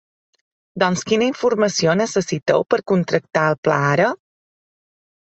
Doncs quina informació necessiteu per contractar el pla ara?